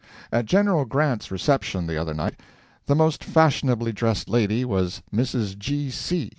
At Gen. Grant's reception, the other night, the most fashionably dressed lady was Mrs. G. C.